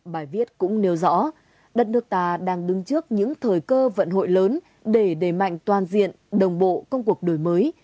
bài viết cũng nêu rõ đất nước ta đang đứng trước những thời cơ vận hội lớn để đẩy mạnh toàn diện đồng bộ công cuộc đổi mới